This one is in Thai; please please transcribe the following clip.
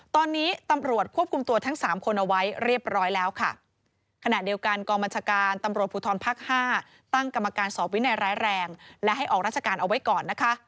ตอนนี้ตำรวจควบคุมตัวทั้งสามคนเอาไว้เรียบร้อยแล้วค่ะขณะเดียวกันกองบัญชาการตำรวจภูทรภาคห้าตั้งกรรมการสอบวินัยร้ายแรงและให้ออกราชการเอาไว้ก่อนนะคะ